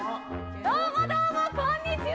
どうも、どうもこんにちは！